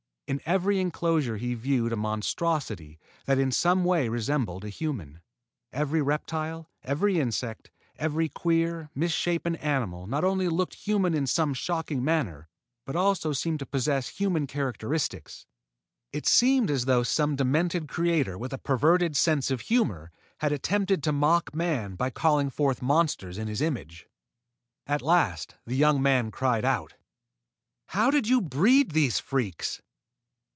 In every enclosure he viewed a monstrosity that in some way resembled a human. Every reptile, every insect, every queer, misshapen animal not only looked human in some shocking manner, but also seemed to possess human characteristics. It seemed as though some demented creator with a perverted sense of humor had attempted to mock man by calling forth monsters in his image. At last the young man cried out: "How did you breed these freaks?"